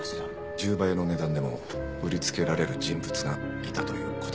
１０倍の値段でも売りつけられる人物がいたという事ですね。